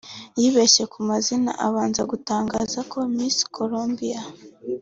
yibeshye ku mazina abanza gutangaza ko Miss Colombia